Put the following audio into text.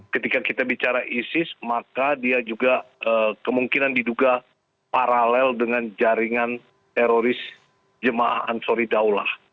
ketika kita bicara isis maka dia juga kemungkinan diduga paralel dengan jaringan teroris jemaah ansoridaulah